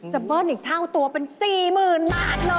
จะบ้อนอีกเท่าตัวเป็นสี่หมื่นบาทเลย